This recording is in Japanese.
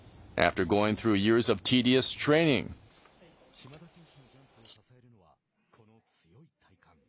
島田選手のジャンプを支えるのはこの強い体幹。